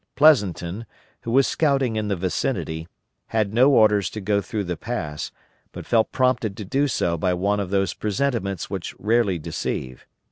Pleasonton, who was scouting in the vicinity, had no orders to go through the pass, but felt prompted to do so by one of those presentiments which rarely deceive.